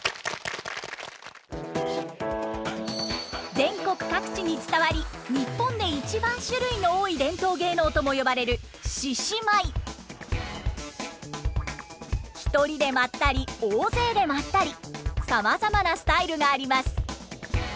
全国各地に伝わり日本で一番種類の多い伝統芸能とも呼ばれる一人で舞ったり大勢で舞ったりさまざまなスタイルがあります。